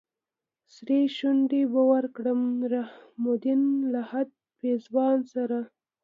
سرې شونډې به ورکړم رحم الدين لهد پېزوان سره